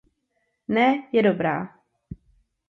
Ne, je dobrá.